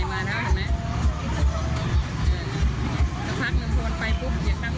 ถ้าพักมึงพนไปปุ๊บอย่าตั้ง